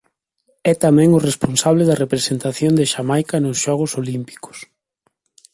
É tamén o responsable da representación de Xamaica nos Xogos Olímpicos.